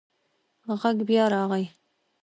غږ بیا راغی.